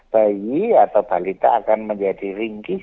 bayi atau balita akan menjadi ringkis